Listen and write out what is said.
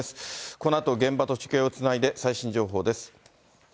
このあと、現場と中継をつないで、最新情報です。